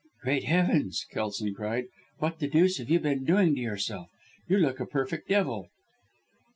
"Great heavens!" Kelson cried. "What the deuce have you been doing to yourself? You look a perfect devil!"